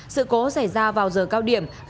sự cố xảy ra vào giờ cao điểm